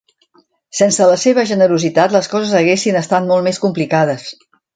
Sense la seva generositat, les coses haguessin estat molt més complicades.